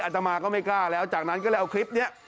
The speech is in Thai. ตมาก็ไม่กล้าแล้วจากนั้นก็เลยเอาคลิปนี้